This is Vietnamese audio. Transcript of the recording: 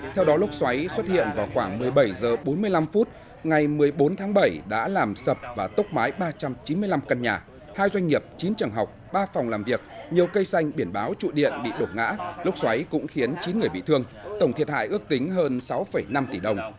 theo đó lốc xoáy xuất hiện vào khoảng một mươi bảy h bốn mươi năm ngày một mươi bốn tháng bảy đã làm sập và tốc mái ba trăm chín mươi năm căn nhà hai doanh nghiệp chín trường học ba phòng làm việc nhiều cây xanh biển báo trụ điện bị đột ngã lốc xoáy cũng khiến chín người bị thương tổng thiệt hại ước tính hơn sáu năm tỷ đồng